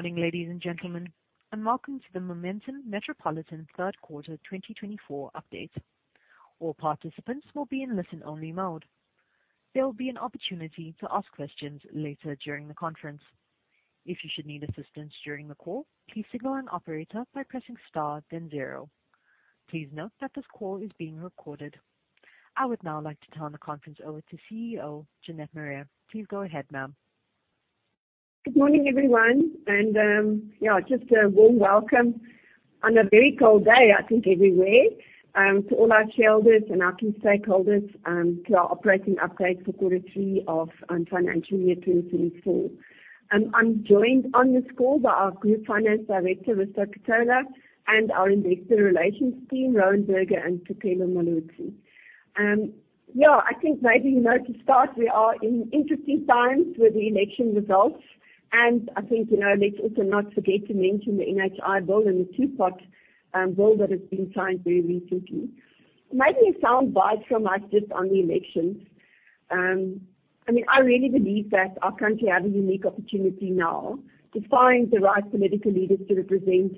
Morning, ladies and gentlemen, and welcome to the Momentum Metropolitan third quarter 2024 update. All participants will be in listen-only mode. There will be an opportunity to ask questions later during the conference. If you should need assistance during the call, please signal an operator by pressing star then zero. Please note that this call is being recorded. I would now like to turn the conference over to CEO Jeanette Marais. Please go ahead, ma'am. Good morning, everyone, and, yeah, just a warm welcome on a very cold day, I think, everywhere, to all our shareholders and our key stakeholders, to our operating update for quarter three of financial year 2024. I'm joined on this call by our Group Finance Director, Risto Ketola, and our investor relations team, Rowan Burger and Tshego Moloto. Yeah, I think maybe, you know, to start, we are in interesting times with the election results, and I think, you know, let's also not forget to mention the NHI bill and the Two-Pot Bill that has been signed very recently. Maybe a sound bite from us just on the elections. I mean, I really believe that our country has a unique opportunity now to find the right political leaders to represent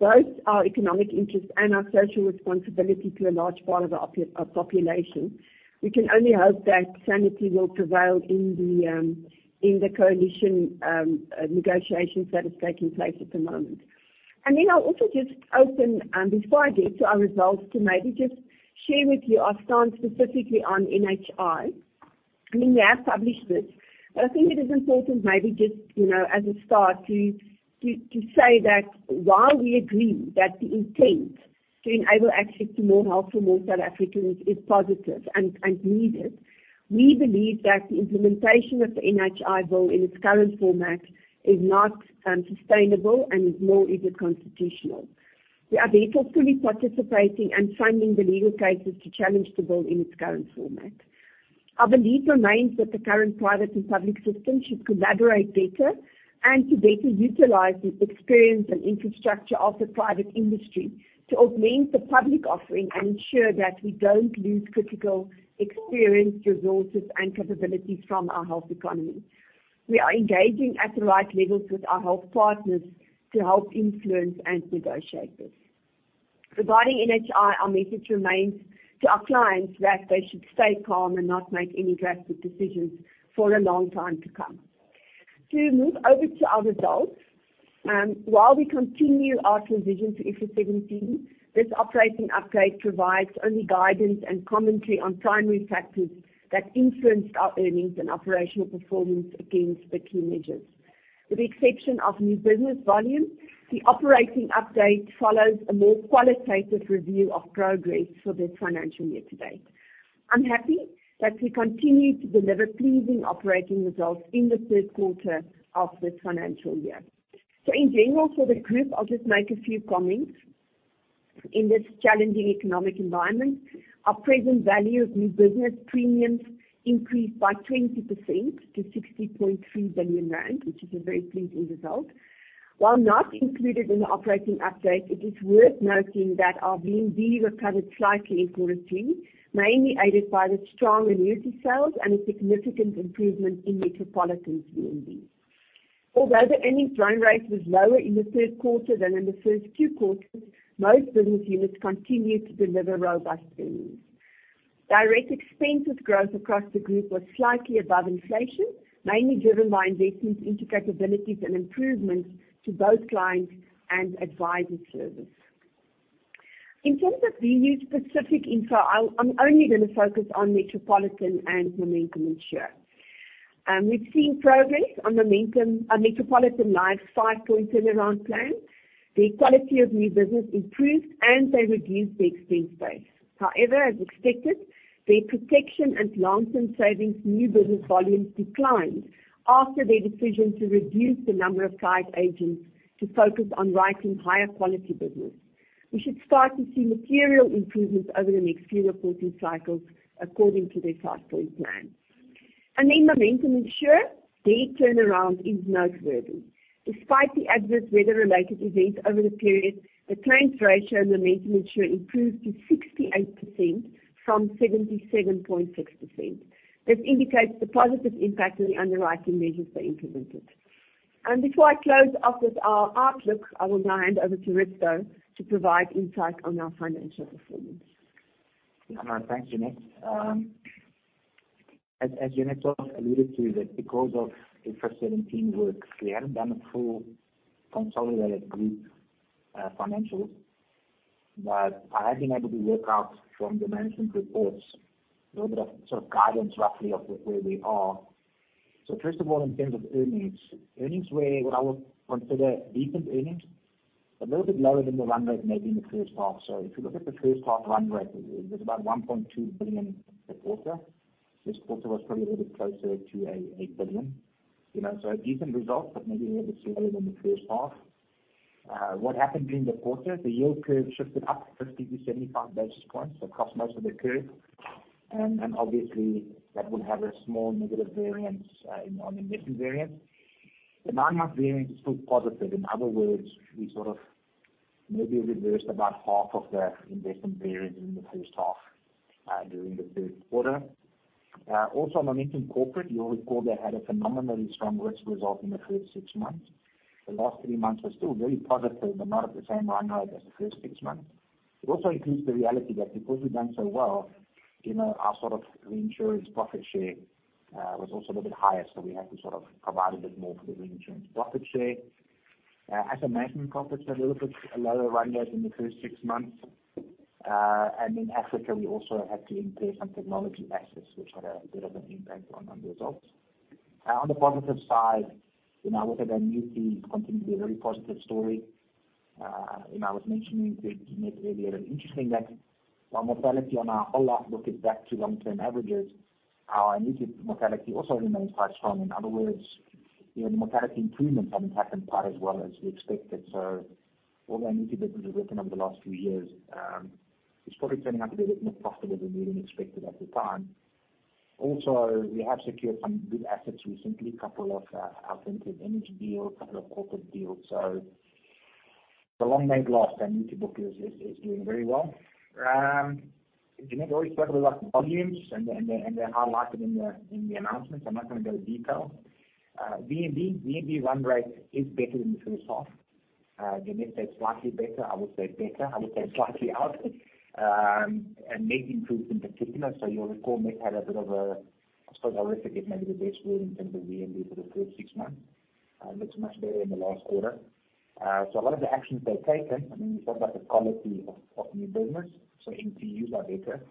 both our economic interests and our social responsibility to a large part of our population. We can only hope that sanity will prevail in the coalition negotiations that is taking place at the moment. And then I'll also just open, before I get to our results, to maybe just share with you our stance specifically on NHI. I mean, we have published this, but I think it is important maybe just, you know, as a start, to say that while we agree that the intent to enable access to more health for more South Africans is positive and needed, we believe that the implementation of the NHI bill in its current format is not sustainable and nor is it constitutional. We are therefore fully participating and funding the legal cases to challenge the bill in its current format. Our belief remains that the current private and public system should collaborate better and to better utilize the experience and infrastructure of the private industry to augment the public offering and ensure that we don't lose critical experience, resources, and capabilities from our health economy. We are engaging at the right levels with our health partners to help influence and negotiate this. Regarding NHI, our message remains to our clients that they should stay calm and not make any drastic decisions for a long time to come. To move over to our results, while we continue our transition to IFRS 17, this operating update provides only guidance and commentary on primary factors that influenced our earnings and operational performance against the key measures. With the exception of new business volumes, the operating update follows a more qualitative review of progress for this financial year to date. I'm happy that we continue to deliver pleasing operating results in the third quarter of this financial year. In general, for the group, I'll just make a few comments. In this challenging economic environment, our present value of new business premiums increased by 20% to 60.3 billion rand, which is a very pleasing result. While not included in the operating update, it is worth noting that our VNB recovered slightly in quarter three, mainly aided by the strong annuity sales and a significant improvement in Metropolitan VNB. Although the earnings run rate was lower in the third quarter than in the first two quarters, most business units continued to deliver robust earnings. Direct expenses growth across the group was slightly above inflation, mainly driven by investments into capabilities and improvements to both clients and advisory services. In terms of business-specific info, I'm only gonna focus on Metropolitan and Momentum Insure. We've seen progress on Momentum Metropolitan's life five-point turnaround plan. The quality of new business improved, and they reduced their expense base. However, as expected, their protection and long-term savings new business volumes declined after their decision to reduce the number of field agents to focus on writing higher quality business. We should start to see material improvements over the next few reporting cycles, according to their five-point plan. Then Momentum Insure, their turnaround is noteworthy. Despite the adverse weather-related events over the period, the claims ratio in Momentum Insure improved to 68% from 77.6%. This indicates the positive impact of the underwriting measures they implemented. Before I close off with our outlook, I will now hand over to Risto to provide insight on our financial performance. Thanks, Jeanette. As Jeanette sort of alluded to, that because of the IFRS 17 works, we haven't done a full consolidated group financials. But I have been able to work out from the management reports a little bit of sort of guidance, roughly, of where we are. So first of all, in terms of earnings. Earnings were what I would consider decent earnings, a little bit lower than the run rate, maybe in the first half. So if you look at the first half run rate, it was about 1.2 billion per quarter. This quarter was probably a little bit closer to a billion, you know, so a decent result, but maybe a little bit slower than the first half. What happened during the quarter? The yield curve shifted up 50-75 basis points across most of the curve, and obviously, that would have a small negative variance on the mixing variance. The 9-month variance is still positive. In other words, we maybe reversed about half of the investment variance in the first half during the third quarter. Also Momentum Corporate, you'll recall, they had a phenomenally strong risk result in the first six months. The last three months were still very positive, but not at the same run rate as the first six months. It also includes the reality that because we've done so well, you know, our sort of reinsurance profit share was also a little bit higher, so we had to sort of provide a bit more for the reinsurance profit share. As I mentioned, Corporate had a little bit of a lower run rate than the first six months. And in Africa, we also had to impair some technology assets, which had a bit of an impact on the results. On the positive side, you know, our book of annuities continued to be a very positive story. You know, I was mentioning to Jeanette earlier, interesting that while mortality on our whole life book is back to long-term averages, our annuity mortality also remains quite strong. In other words, you know, the mortality improvements haven't happened quite as well as we expected. So all the annuity business we've written over the last few years is probably turning out to be a bit more profitable than we even expected at the time. Also, we have secured some good assets recently, a couple of alternative image deals, a couple of corporate deals. So the long and short, our Annuity book is doing very well. Jeanette already spoke about volumes and they highlighted in the announcements. I'm not gonna go to detail. VNB. VNB run rate is better than the first half. Jeanette said slightly better. I would say better. I would say slightly up, and making improvements in particular. So you'll recall, they had a bit of a, I suppose, I always forget maybe the best word in terms of VNB for the first six months. Looks much better in the last quarter. So a lot of the actions they've taken, I mean, we talked about the quality of new business, so NPUs are better.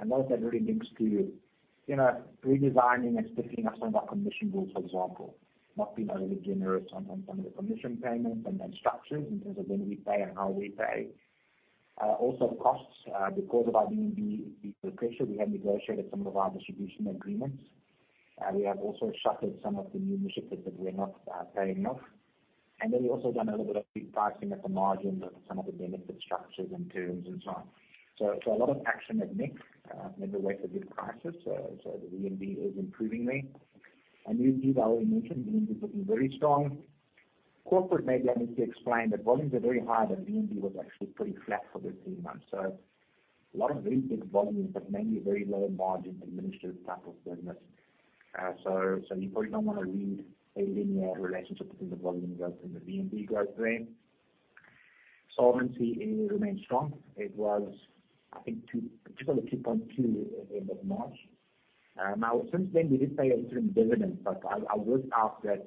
A lot of that really links to, you know, redesigning and stiffening up some of our commission rules, for example, not being overly generous on some of the commission payments and then structures in terms of when we pay and how we pay. Also costs. Because of our VNB pressure, we have negotiated some of our distribution agreements. We have also shuttered some of the new initiatives that were not paying off. And then we've also done a little bit of repricing at the margins of some of the benefit structures and terms and so on. So a lot of action in fact in the way of good pricing. So the VNB is improving there. And UB, I already mentioned, UB is looking very strong. Corporate, maybe I need to explain, the volumes are very high, but VNB was actually pretty flat for the three months. So a lot of very big volumes, but mainly very low margin administrative type of business. So you probably don't wanna read a linear relationship between the volume growth and the VNB growth there. Solvency, it remains strong. It was, I think, two... particularly 2.2 at end of March. Now, since then, we did pay an interim dividend, but I would add that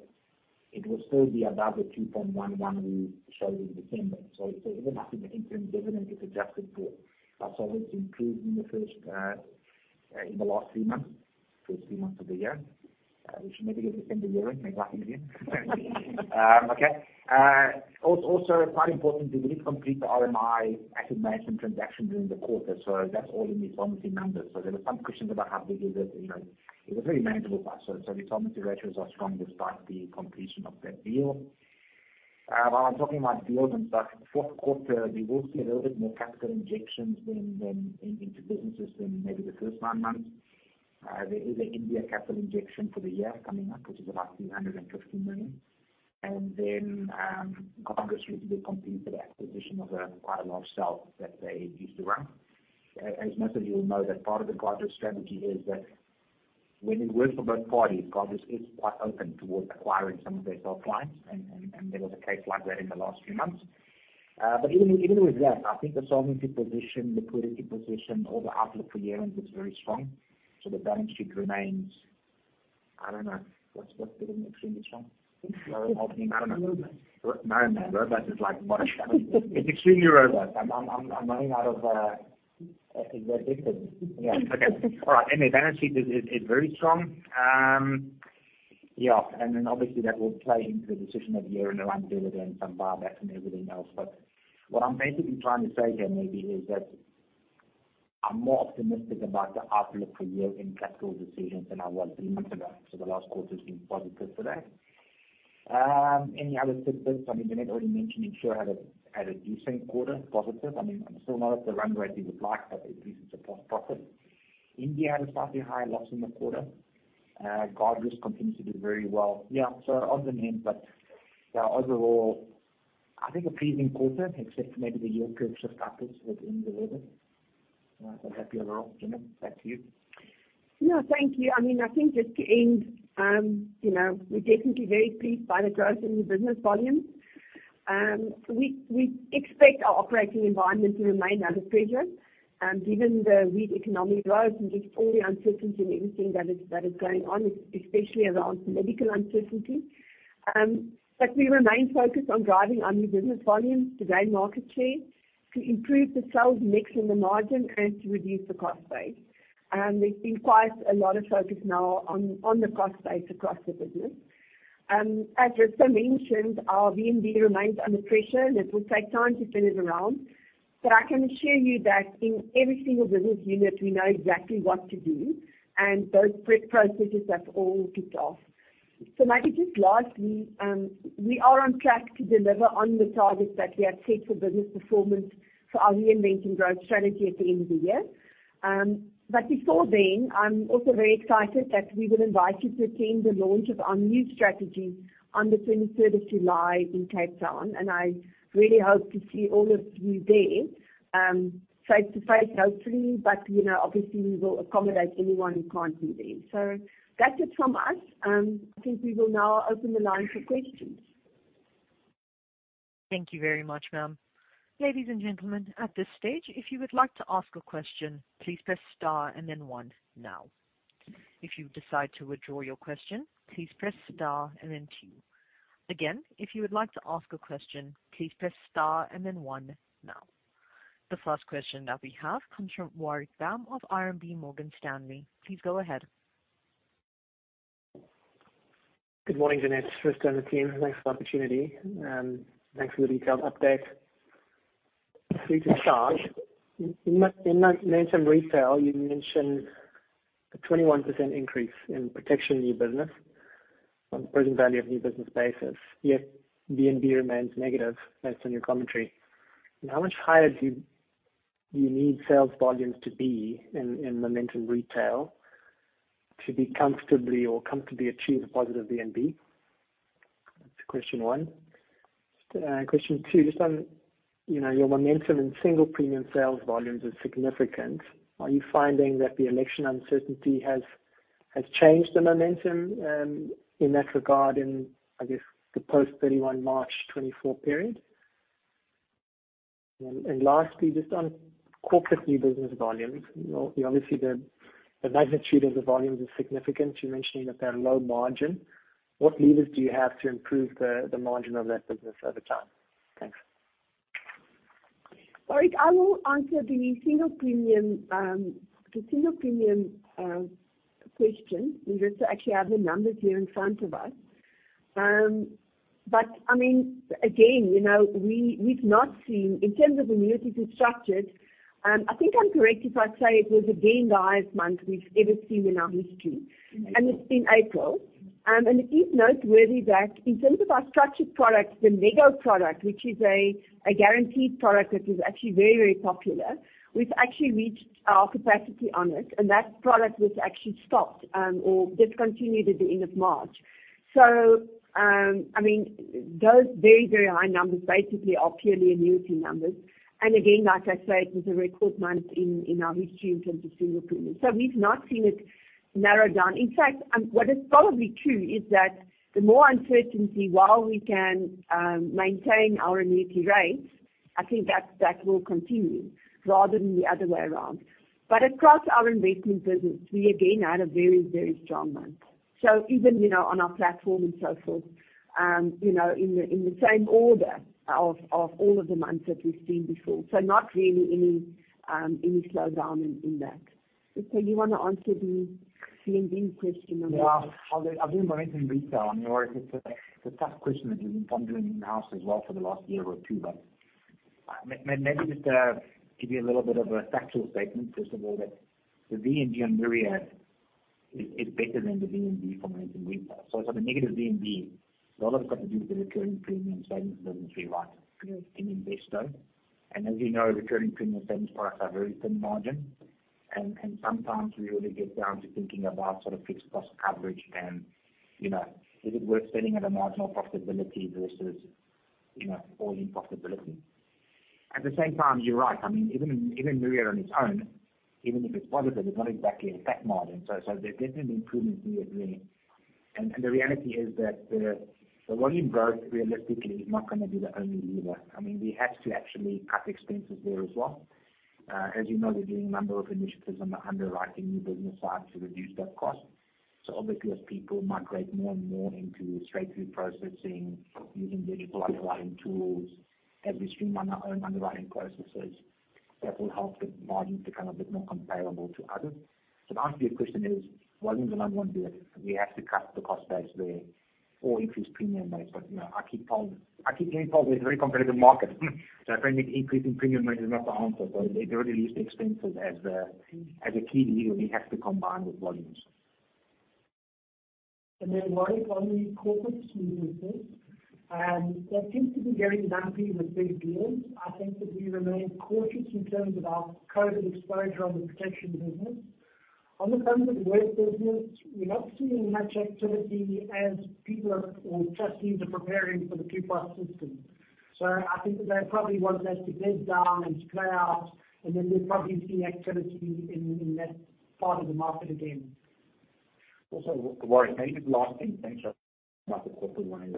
it will still be above the 2.11 we showed in December. So even after the interim dividend is adjusted to, our solvency improved in the first, in the last three months, first three months of the year. We should maybe do the same year end and lucky again. Okay. Also, also quite important, we did complete the RMI Investment Managers transaction during the quarter, so that's all in the solvency numbers. So there were some questions about how big is it, you know. It was very manageable by so, so the solvency ratios are strong despite the completion of that deal. While I'm talking about deals and such, fourth quarter, we will see a little bit more capital injections than in into businesses than maybe the first nine months. There is an India capital injection for the year coming up, which is about 350 million. And then, progress should be completed, the acquisition of quite a large sale that they used to run. As most of you will know, that part of the progress strategy is that when it works for both parties, because it's quite open towards acquiring some of their top clients, and there was a case like that in the last few months. But even with that, I think the solvency position, the liquidity position, or the outlook for year-end is very strong. So the balance sheet remains, I don't know, what's extremely strong? Robust. Robust is like... It's extremely robust. I'm running out of, uh, adjectives. Yeah. Okay. All right. Anyway, balance sheet is very strong. Yeah, and then obviously, that will play into the decision of year-end around dividend, some buybacks, and everything else. But what I'm basically trying to say here, maybe, is that I'm more optimistic about the outlook for year-end capital decisions than I was three months ago. So the last quarter's been positive today. Any other tidbits? I mean, Jeanette already mentioned, Insure had a decent quarter, positive. I mean, still not at the run rate we would like, but at least it's a profit. India had a slightly higher loss in the quarter. Guardrisk continues to do very well. Yeah, so other than that, but, yeah, overall, I think a pleasing quarter, except maybe the yield curves just fucked us within the quarter. So happy overall. Jeanette, back to you. Yeah, thank you. I mean, I think just to end, you know, we're definitely very pleased by the growth in new business volumes. We expect our operating environment to remain under pressure, given the weak economic growth and just all the uncertainty and everything that is going on, especially around political uncertainty. But we remain focused on driving our new business volumes to gain market share, to improve the sales mix and the margin, and to reduce the cost base. There's been quite a lot of focus now on the cost base across the business. As Risto mentioned, our VNB remains under pressure, and it will take time to turn it around. But I can assure you that in every single business unit, we know exactly what to do, and those processes have all kicked off. Maybe just lastly, we are on track to deliver on the targets that we have set for business performance for our reinvent and growth strategy at the end of the year. But before then, I'm also very excited that we will invite you to attend the launch of our new strategy on the 23rd of July in Cape Town, and I really hope to see all of you there, face-to-face, hopefully, but you know, obviously, we will accommodate anyone who can't be there. That's it from us. I think we will now open the line for questions. ...Thank you very much, ma'am. Ladies and gentlemen, at this stage, if you would like to ask a question, please press star and then one now. If you decide to withdraw your question, please press star and then two. Again, if you would like to ask a question, please press star and then one now. The first question that we have comes from Warwick Bam of RMB Morgan Stanley. Please go ahead. Good morning, Jeanette, Christo, and the team. Thanks for the opportunity, and thanks for the detailed update. Free to charge. In Momentum Retail, you mentioned a 21% increase in protection new business on present value of new business basis, yet VNB remains negative, based on your commentary. How much higher do you need sales volumes to be in Momentum Retail to comfortably achieve a positive VNB? That's question one. Question two, just on, you know, your momentum in single premium sales volumes is significant. Are you finding that the election uncertainty has changed the momentum in that regard in, I guess, the post-31 March 2024 period? And lastly, just on corporate new business volumes, you know, obviously, the magnitude of the volumes is significant. You're mentioning that they're low margin. What levers do you have to improve the margin of that business over time? Thanks. Warwick, I will answer the single premium, the single premium, question. We just actually have the numbers here in front of us. But I mean, again, you know, we, we've not seen, in terms of annuities and structures, I think I'm correct if I say it was again, the highest month we've ever seen in our history. Mm-hmm. It's in April. It is noteworthy that in terms of our structured products, the Lego product, which is a guaranteed product that is actually very, very popular, we've actually reached our capacity on it, and that product was actually stopped, or discontinued at the end of March. So, I mean, those very, very high numbers basically are purely annuity numbers. And again, like I said, it was a record month in our history in terms of single premium. So we've not seen it narrow down. In fact, what is probably true is that the more uncertainty, while we can maintain our annuity rates, I think that will continue rather than the other way around. But across our investment business, we again had a very, very strong month. So even, you know, on our platform and so forth, you know, in the same order of all of the months that we've seen before. So not really any slowdown in that. So you want to answer the VNB question or...? Yeah. I'll, I'll do Momentum Retail on yours. It's a, it's a tough question that we've been pondering in-house as well for the last year or two, but maybe just give you a little bit of a factual statement, first of all, that the VNB on Myriad is better than the VNB for Momentum Retail. So it's on a negative VNB, a lot of it's got to do with the recurring premium statements doesn't feel right- Yes. In Investo. And as we know, recurring premium statements price are very thin margin. And sometimes we really get down to thinking about sort of fixed cost coverage and, you know, is it worth spending at a marginal profitability versus, you know, all impossibility. At the same time, you're right. I mean, even Myriad on its own, even if it's positive, it's not exactly a fat margin. So there's definitely an improvement here, really. And the reality is that the volume growth realistically is not gonna be the only lever. I mean, we have to actually cut expenses there as well. As you know, we're doing a number of initiatives on the underwriting new business side to reduce that cost. So obviously, as people migrate more and more into straight-through processing, using digital underwriting tools, as we streamline our own underwriting processes, that will help the margin to become a bit more comparable to others. So to answer your question is, volume is the number one bit. We have to cut the cost base there or increase premium rates, but, you know, I keep telling, I keep getting told it's a very competitive market. So I think increasing premium rate is not the answer, but they really list expenses as the—as a key lever, we have to combine with volumes. And then, Warwick, on the corporate new business, there seems to be getting lumpy with big deals. I think that we remain cautious in terms of our current exposure on the protection business. On the front of the wealth business, we're not seeing much activity as people or trustees are preparing for the two-part system. So I think that they probably want that to bed down and to play out, and then we'll probably see activity in that part of the market again. Also, Warwick, maybe the last thing, thanks, about the corporate line.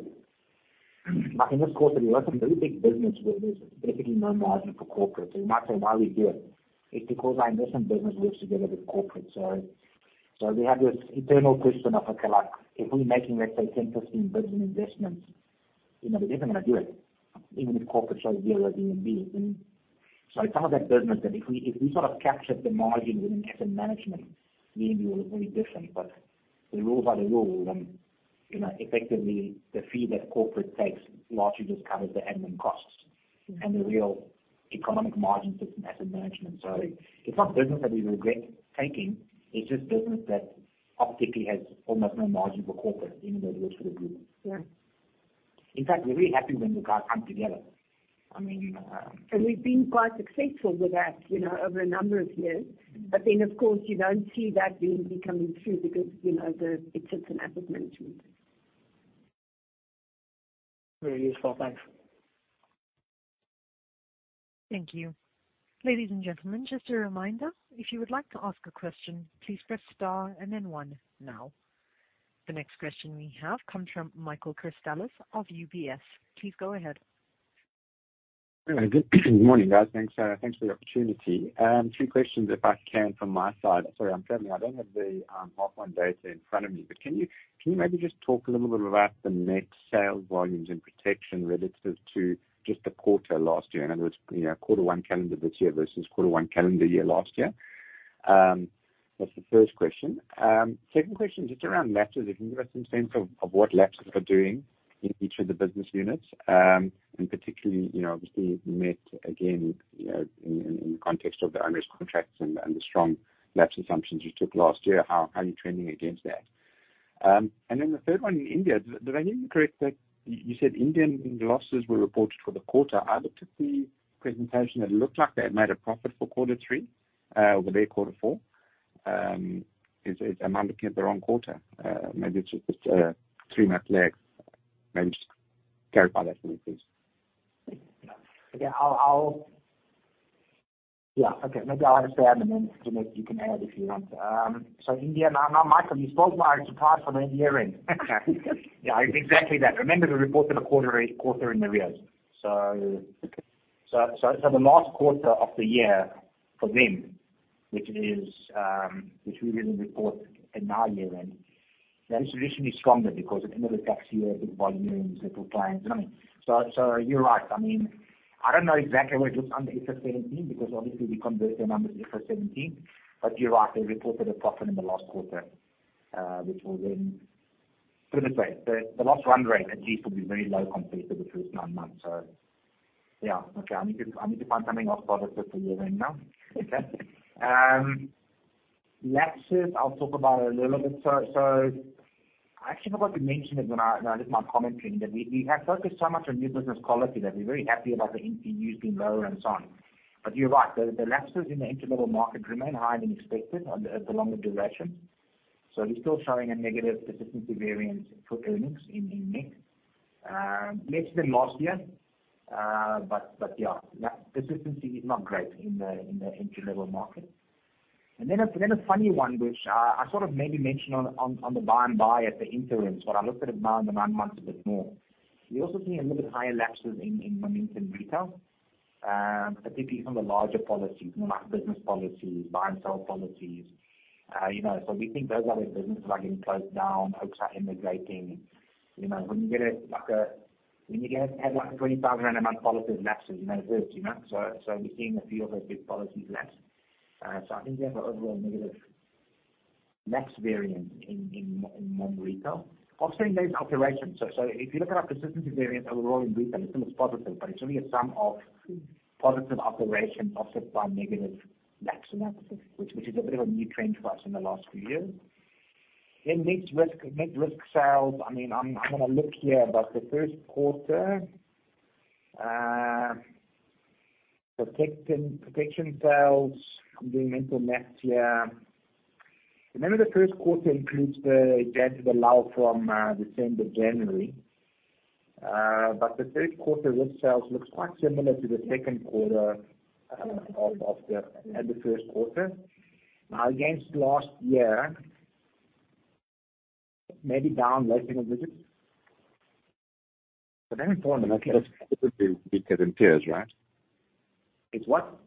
Like, in this quarter, we got some really big business where there's basically no margin for corporate. So you might say, "Why we do it?" It's because our investment business works together with corporate. So, so we have this internal question of, okay, like, if we're making, let's say, 10% in building investments, you know, we're definitely gonna do it, even if corporate side deal with VNB. And so it's some of that business that if we, if we sort of captured the margin within asset management, VNB will look very different. But the rules are the rules, and, you know, effectively, the fee that corporate takes largely just covers the admin costs. Mm-hmm. The real economic margin sits in asset management. So it's not business that we regret taking, it's just business that optically has almost no margin for corporate, even though it works for the group. Yeah. In fact, we're really happy when the guys come together. I mean, and we've been quite successful with that, you know, over a number of years. But then, of course, you don't see that VNB coming through because, you know, it sits in asset management. Very useful. Thanks. … Thank you. Ladies and gentlemen, just a reminder, if you would like to ask a question, please press star and then one now. The next question we have comes from Michael Christelis of UBS. Please go ahead. Good morning, guys. Thanks, thanks for the opportunity. Two questions, if I can, from my side. Sorry, I'm traveling. I don't have the H1 data in front of me, but can you maybe just talk a little bit about the net sales volumes and protection relative to just the quarter last year? In other words, you know, quarter one calendar this year versus quarter one calendar year last year. That's the first question. Second question, just around lapses. If you can give us some sense of what lapses are doing in each of the business units. And particularly, you know, obviously net again, you know, in the context of the under-risk contracts and the strong lapse assumptions you took last year, how are you trending against that? And then the third one in India, did I hear you correct that you said Indian losses were reported for the quarter? I looked at the presentation, it looked like they had made a profit for quarter three, or their quarter four. Am I looking at the wrong quarter? Maybe it's just three-month lags. Maybe just clarify that for me, please. Yeah, I'll. Yeah, okay. Maybe I'll understand, and then, Jeanette, you can add if you want. So India, now, Michael, you spoke of my surprise from the Indian end. Yeah, exactly that. Remember we reported a quarter in the red. So, the last quarter of the year for them, which is, which we then report in our year-end, that is traditionally stronger because at the end of the tax year, big volumes, little clients. I mean. So, you're right. I mean, I don't know exactly what it looks like under IFRS 17, because obviously we convert the numbers to IFRS 17. But you're right, they reported a profit in the last quarter, which will then, put it this way, the last run rate at least will be very low compared to the first nine months. So yeah, okay, I need to find something else positive for you right now. Lapses, I'll talk about a little bit. So I actually forgot to mention it when I did my commentary, that we have focused so much on new business quality, that we're very happy about the NPU being lower and so on. But you're right, the lapses in the entry-level market remain higher than expected on the longer duration. So we're still showing a negative persistency variance for earnings in net. Less than last year, but yeah, persistency is not great in the entry-level market. And then a funny one, which I sort of maybe mentioned on the buy and buy at the interim, but I looked at it now in the nine months a bit more. We also see a little bit higher lapses in Momentum Retail, particularly from the larger policies, like business policies, buy and sell policies. You know, so we think those are the businesses that are getting closed down, folks are emigrating. You know, when you get, like, 20,000 a month policies lapses, you know it, you know? So we're seeing a few of those big policies lapse. So I think we have an overall negative lapse variance in Momentum Retail. Obviously, there's alteration. So, if you look at our persistency variance overall in retail, it's still positive, but it's only a sum of positive alterations offset by negative lapses, which is a bit of a new trend for us in the last few years. Next, risk net risk sales, I mean, I'm gonna look here, but the first quarter protection sales, I'm doing mental math here. Remember, the first quarter includes the dead lull from December, January. But the third quarter risk sales looks quite similar to the second quarter of the first quarter. Now, against last year, maybe down less than a little bit. But very important, okay-considerably weaker than peers, right? It's what?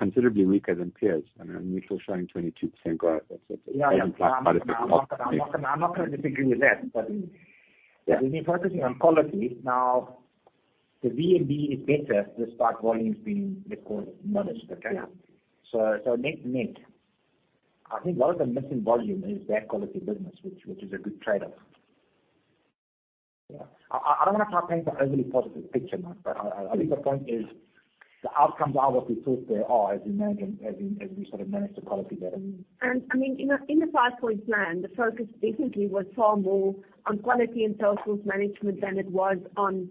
Considerably weaker than peers, I mean, we're still showing 22% growth. That's- Yeah. I'm not gonna disagree with that. But- Yeah. We've been focusing on quality. Now, the VNB is better, the stock volume is being recorded modest, okay? Yeah. So net, I think a lot of the missing volume is that quality business, which is a good trade-off. Yeah. I don't want to paint an overly positive picture, but I think the point is, the outcomes are what we thought they are, as we sort of manage the quality better. I mean, in the five-point plan, the focus definitely was far more on quality and sales force management than it was on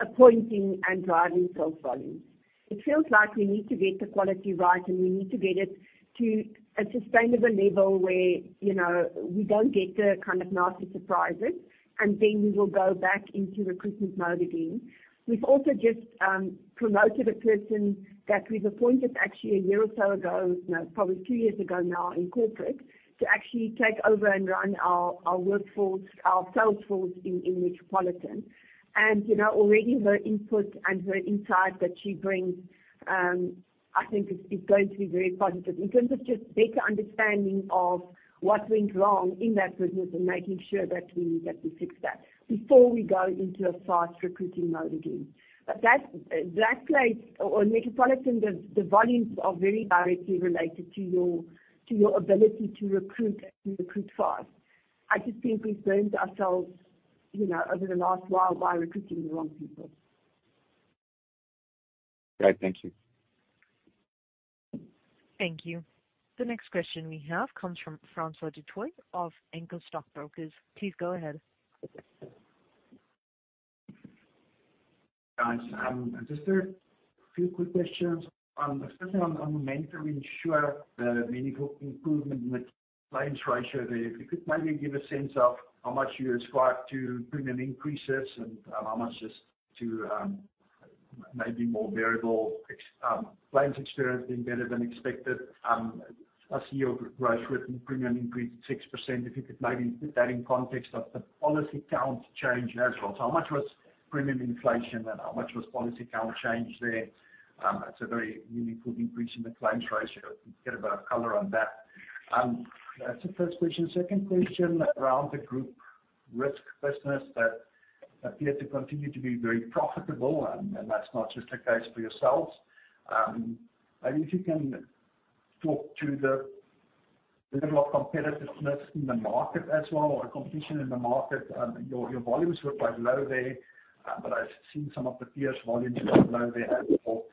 appointing and driving sales volume. It feels like we need to get the quality right, and we need to get it to a sustainable level where, you know, we don't get the kind of nasty surprises, and then we will go back into recruitment mode again. We've also just promoted a person that we've appointed actually a year or so ago, no, probably two years ago now in corporate, to actually take over and run our workforce, our sales force in Metropolitan. And you know, already her input and her insight that she brings, I think is going to be very positive in terms of just better understanding of what went wrong in that business and making sure that we fix that, before we go into a fast recruiting mode again. But that place or Metropolitan, the volumes are very directly related to your ability to recruit and recruit fast. I just think we've burned ourselves, you know, over the last while by recruiting the wrong people. Great. Thank you. Thank you. The next question we have comes from Francois du Toit of Anchor Stockbrokers. Please go ahead. Guys, just a few quick questions. First thing on Momentum Insure, the meaningful improvement in the-claims ratio there, if you could maybe give a sense of how much you ascribe to premium increases and, how much just to, maybe more variable claims experience being better than expected. I see overall growth with premium increased 6%. If you could maybe put that in context of the policy count change as well. So how much was premium inflation, and how much was policy count change there? It's a very meaningful increase in the claims ratio. Get a bit of color on that. That's the first question. Second question, around the group risk business that appears to continue to be very profitable, and that's not just the case for yourselves. Maybe if you can talk to the level of competitiveness in the market as well, or competition in the market. Your volumes were quite low there, but I've seen some of the peers' volumes low there as well.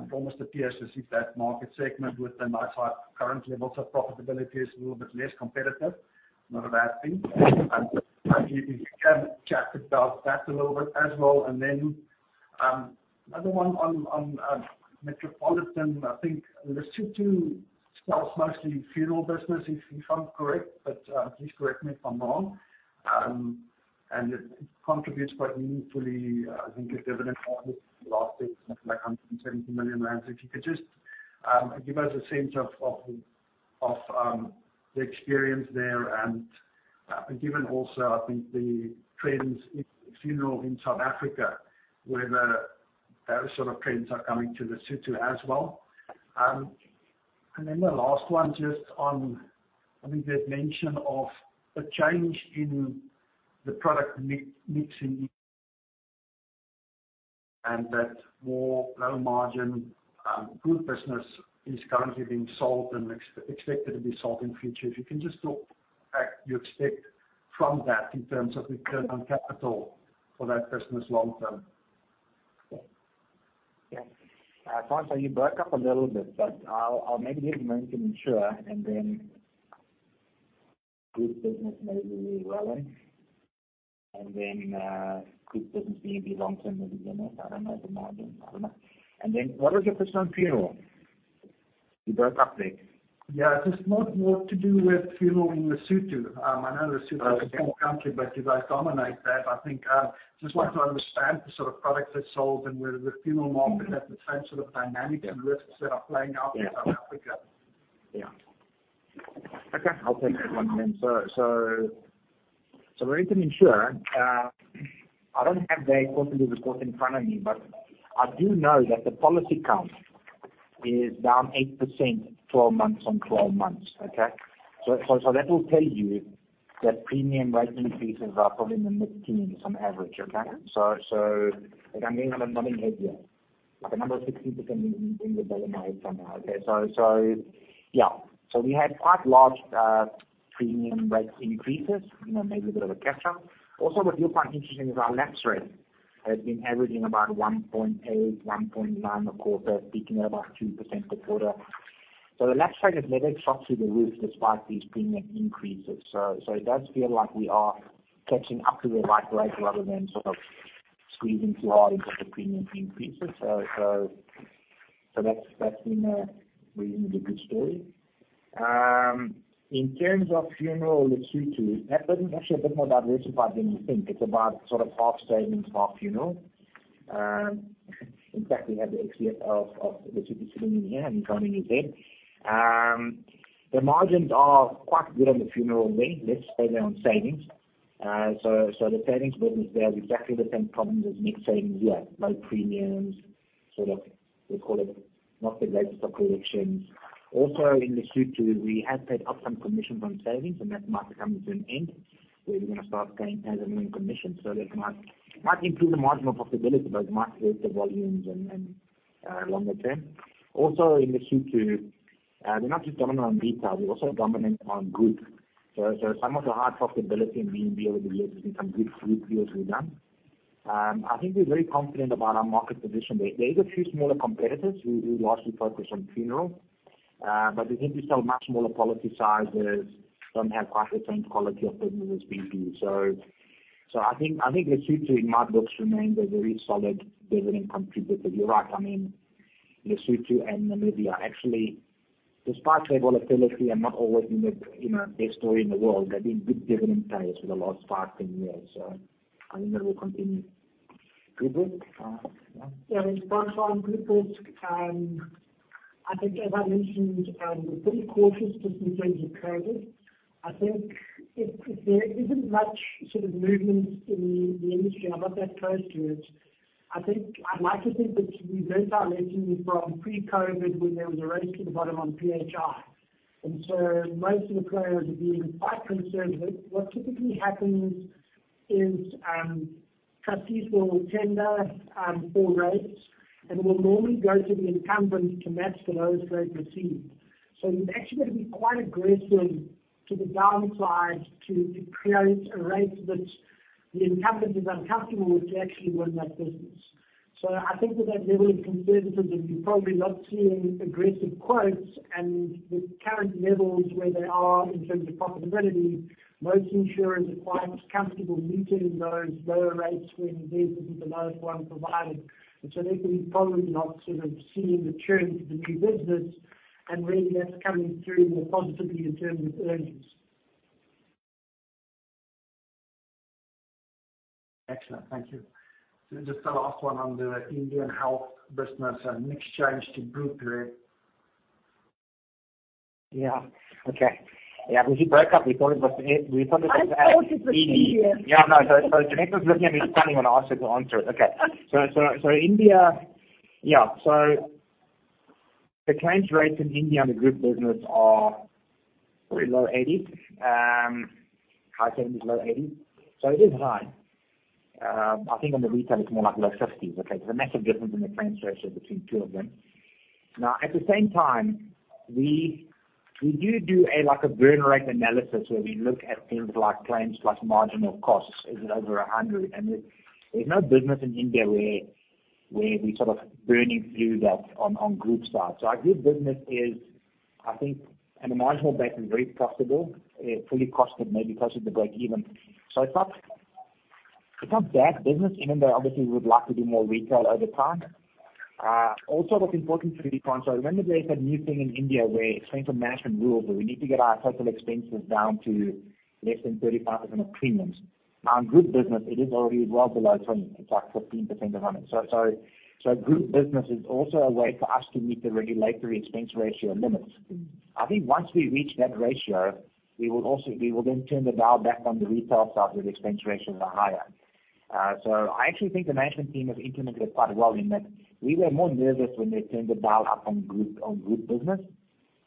It's promising to see if that market segment with a nice, high current levels of profitability is a little bit less competitive, not a bad thing. If you can chat about that a little bit as well. And then, another one on Metropolitan. I think Lesotho sells mostly funeral business, if I'm correct, but please correct me if I'm wrong. And it contributes quite meaningfully, I think, the dividend last year, like 170 million rand. So if you could just give us a sense of the experience there, and given also, I think the trends in funeral in South Africa, whether those sort of trends are coming to Lesotho as well. And then the last one, just on, I think there's mention of a change in the product mix, and that more lower-margin good business is currently being sold and expected to be sold in future. If you can just talk, you expect from that in terms of return on capital for that business long term. Yeah. Francois, you broke up a little bit, but I'll, I'll maybe give you Insurance, and then group business maybe Welling, and then group business being the long-term. I don't know the margin. I don't know. And then what was the question on funeral? You broke up there. Yeah, just more to do with funeral in Lesotho. I know Lesotho is a small country, but you guys dominate that. I think just want to understand the sort of products that sold and whether the funeral market has the same sort of dynamics and risks that are playing out in South Africa. Yeah. Okay, I'll take that one then. So, relating to insurer, I don't have the quarterly report in front of me, but I do know that the policy count is down 8%, 12 months on 12 months, okay? So, that will tell you that premium rate increases are probably in the mid-teens on average, okay? So, like, I mean, I'm not in head yet, but the number 16% in the bottom line somehow. Okay, so yeah. So we had quite large premium rate increases, you know, maybe a bit of a catch-up. Also, what you'll find interesting is our lapse rate has been averaging about 1.8, 1.9 a quarter, speaking about 2% per quarter. So the lapse rate has never shot through the roof despite these premium increases. So it does feel like we are catching up to the right rate rather than sort of squeezing too hard into the premium increases. So that's been a reasonably good story. In terms of funeral, Lesotho, that doesn't actually a bit more diversified than you think. It's about sort of half savings, half funeral. In fact, we have the executive of Lesotho sitting in here, and he can't hear that. The margins are quite good on the funeral wing, less so on savings. So the savings business there has exactly the same problems as mixed savings. You have low premiums, sort of, we call it not the greatest of collections. Also, in Lesotho, we had paid upfront commission from savings, and that might be coming to an end, where you're gonna start paying as and when commission. So that might improve the margin of profitability, but it might reduce the volumes and longer term. Also, in Lesotho, we're not just dominant on retail, we're also dominant on group. So some of the hard profitability in being able to do some good group deals were done. I think we're very confident about our market position. There is a few smaller competitors who largely focus on funeral, but they seem to sell much smaller policy sizes, don't have quite the same quality of business as BP. So I think Lesotho, in my books, remains a very solid dividend contributor. But you're right, I mean, Lesotho and Namibia, actually, despite the volatility, are not always in the, you know, best story in the world. They've been good dividend payers for the last five, 10 years. I think that will continue. Good work, yeah. Yeah, and Francois, on good books, I think, as I mentioned, we're pretty cautious just in terms of credit. I think if, if there isn't much sort of movement in the, the industry, I'm not that close to it. I think—I like to think that we learned our lesson from pre-COVID, when there was a race to the bottom on PHI. And so most of the players are being quite concerned with. What typically happens is, trustees will tender, for rates, and will normally go to the incumbent to match the lowest rate received. So you've actually got to be quite aggressive to the downside to, to create a rate that the incumbent is uncomfortable with, to actually win that business. So I think with that level of conservatism, you're probably not seeing aggressive quotes. The current levels, where they are in terms of profitability, most insurers are quite comfortable meeting those lower rates when there isn't the lowest one provided. So they can be probably not sort of seeing the churn for the new business and really that's coming through more positively in terms of earnings.... Excellent. Thank you. So just a last one on the Indian health business and mix change to group here. Yeah. Okay. Yeah, well, you broke up. We thought it was- I thought it was India. Yeah, no. So, Jeannette was looking at me funny when I asked her to answer it. Okay. So, India, yeah. So the claims rates in India on the group business are very low 80s%. High teens, low 80s%. So it is high. I think on the retail, it's more like low 50s%. Okay? There's a massive difference in the claims ratio between two of them. Now, at the same time, we do do a, like, a burn rate analysis, where we look at things like claims, plus margin of costs. Is it over 100? And there's no business in India where we sort of burning through that on group side. So our group business is, I think, on a marginal basis, very profitable, fully costed, maybe closer to breakeven. So it's not, it's not bad business, even though obviously we would like to do more retail over time. Also, what's important to keep on, so remember there is a new thing in India where expense and management rules, where we need to get our total expenses down to less than 35% of premiums. On group business, it is already well below 20, it's like 15% or something. So, so, so group business is also a way for us to meet the regulatory expense ratio limits. I think once we reach that ratio, we will also, we will then turn the dial back on the retail side, where the expense ratios are higher. So, I actually think the management team has implemented it quite well in that we were more nervous when they turned the dial up on group business,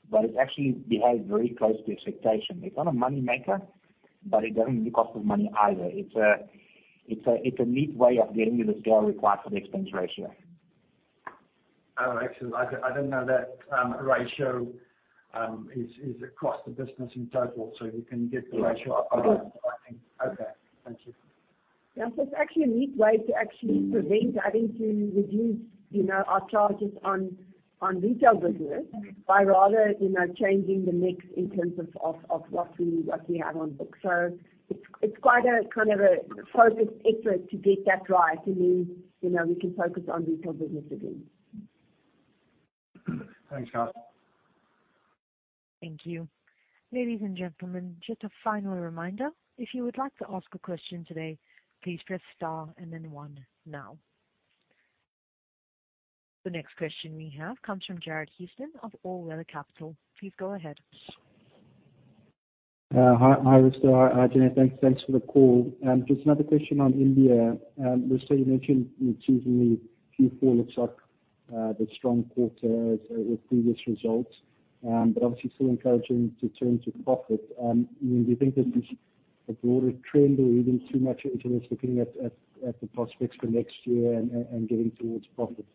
but it actually behaved very close to expectation. It's not a money maker, but it doesn't cost us money either. It's a neat way of getting to the scale required for the expense ratio. Oh, excellent. I did, I didn't know that ratio is across the business in total, so you can get the ratio up, I think. Okay, thank you. Yeah, so it's actually a neat way to actually prevent having to reduce, you know, our charges on, on retail business by rather, you know, changing the mix in terms of, of, of what we, what we have on book. So it's, it's quite a kind of a focused effort to get that right, and then, you know, we can focus on retail business again. Thanks, guys. Thank you. Ladies and gentlemen, just a final reminder, if you would like to ask a question today, please press star and then one now. The next question we have comes from Jared Houston of All Weather Capital. Please go ahead. Hi, Risto. Hi, Jeanette. Thanks for the call. Just another question on India. Risto, you mentioned it's usually Q4 looks like the strong quarter as with previous results, but obviously still encouraging to turn to profit. Do you think this is a broader trend or even too much interest, looking at the prospects for next year and getting towards profit?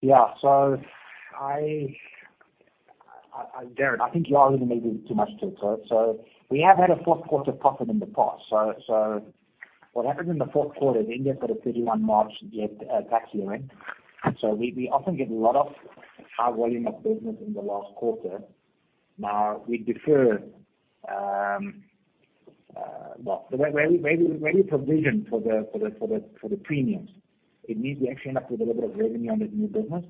Yeah. So, Jared, I think you are reading maybe too much to it. So we have had a fourth quarter profit in the past. So what happens in the fourth quarter, India's got a 31 March year, tax year-end. So we often get a lot of high volume of business in the last quarter. Now, we defer. Well, where we provision for the premiums, it means we actually end up with a little bit of revenue on the new business.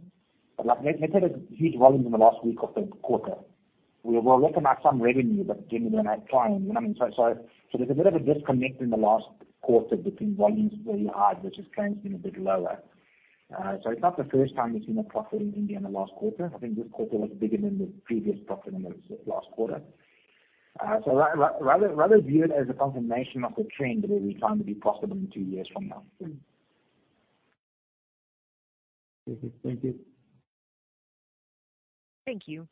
But like, let's say there's huge volumes in the last week of the quarter. We will recognize some revenue, but generally we're gonna have claims. You know what I mean? So there's a bit of a disconnect in the last quarter between volumes very high, but just claims been a bit lower. So it's not the first time we've seen a profit in India in the last quarter. I think this quarter was bigger than the previous profit in the last quarter. So rather view it as a confirmation of the trend, where we're trying to be profitable two years from now. Thank you. Thank you. Thank you.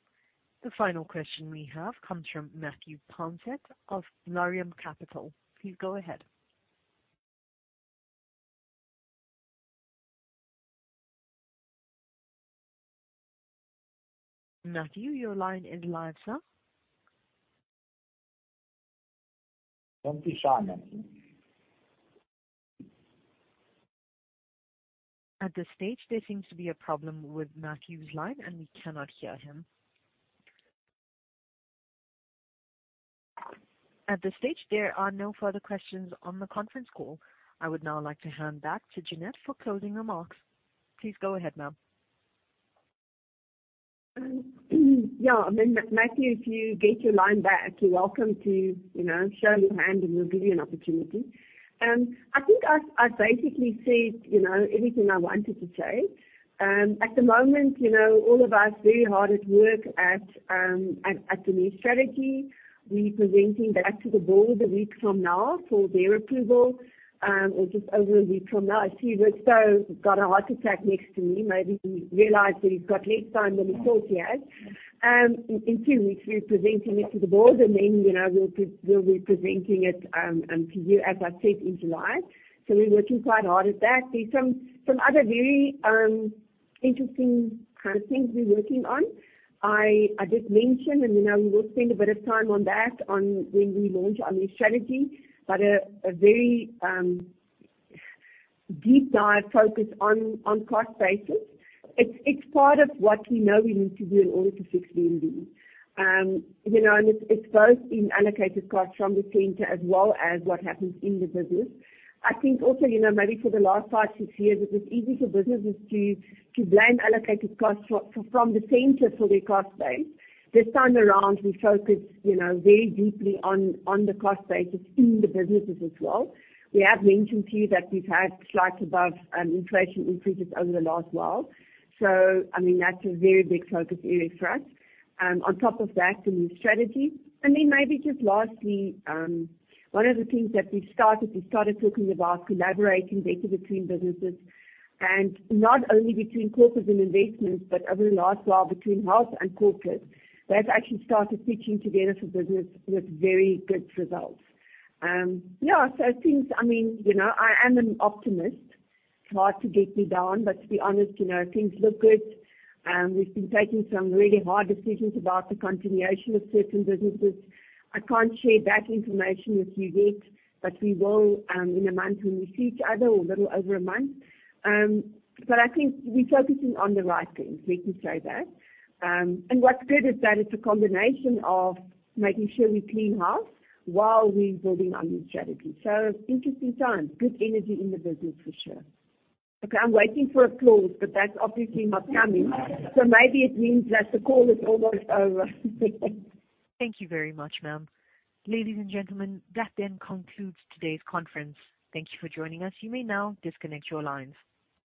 The final question we have comes from Matthew Pouncett of Laurium Capital. Please go ahead. Matthew, your line is live, sir. Don't be shy, Matthew. At this stage, there seems to be a problem with Matthew's line, and we cannot hear him. At this stage, there are no further questions on the conference call. I would now like to hand back to Jeanette for closing remarks. Please go ahead, ma'am. Yeah. Matthew, if you get your line back, you're welcome to, you know, show your hand, and we'll give you an opportunity. I think I basically said, you know, everything I wanted to say. At the moment, you know, all of us very hard at work at the new strategy. We're presenting back to the board a week from now for their approval, or just over a week from now. I see Risto got a heart attack next to me. Maybe he realized that he's got less time than he thought he had. In two weeks, we're presenting it to the board, and then, you know, we'll be presenting it to you, as I said, in July. So we're working quite hard at that. There's some other very interesting kind of things we're working on. I did mention, and you know, we will spend a bit of time on that, on when we launch our new strategy, but a very deep dive focus on cost basis. It's part of what we know we need to do in order to fix MDU. You know, and it's both in allocated costs from the center as well as what happens in the business. I think also, you know, maybe for the last five, six years, it was easy for businesses to blame allocated costs from the center for their cost base. This time around, we focus, you know, very deeply on the cost basis in the businesses as well. We have mentioned to you that we've had slight above inflation increases over the last while. So I mean, that's a very big focus area for us. On top of that, the new strategy. And then maybe just lastly, one of the things that we've started, we started talking about collaborating better between businesses, and not only between corporate and investments, but over the last while, between health and corporate. We have actually started pitching together for business with very good results. Yeah, so things... I mean, you know, I am an optimist. It's hard to get me down, but to be honest, you know, things look good. We've been taking some really hard decisions about the continuation of certain businesses. I can't share that information with you yet, but we will, in a month, when we see each other, or a little over a month. But I think we're focusing on the right things, let me say that. What's good is that it's a combination of making sure we clean house while we're building our new strategy. So interesting times, good energy in the business for sure. Okay, I'm waiting for applause, but that's obviously not coming. So maybe it means that the call is almost over. Thank you very much, ma'am. Ladies and gentlemen, that then concludes today's conference. Thank you for joining us. You may now disconnect your lines.